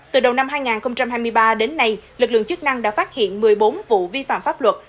từ đầu năm hai nghìn hai mươi ba đến nay lực lượng chức năng đã phát hiện một mươi bốn vụ vi phạm pháp luật